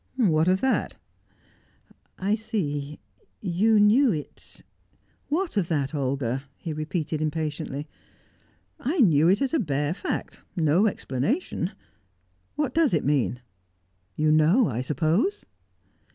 "What of that?" "I see you knew it " "What of that, Olga?" he repeated impatiently. "I knew it as a bare fact no explanation. What does it mean? You know, I suppose?"